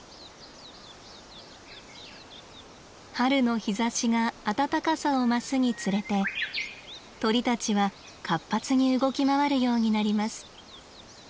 春の日ざしが暖かさを増すにつれて鳥たちは活発に動き回るようになります。